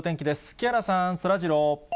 木原さん、そらジロー。